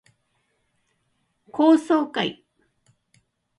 高層階